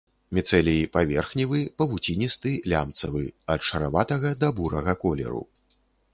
Міцэлій паверхневы, павуціністы, лямцавы, ад шараватага да бурага колеру.